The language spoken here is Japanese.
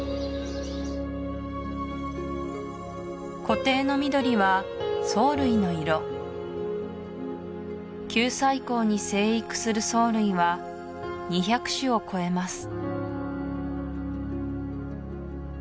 湖底の緑は藻類の色九寨溝に生育する藻類は２００種を超えます